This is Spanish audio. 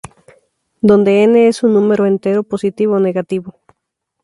Donde "n" es un número entero positivo o negativo.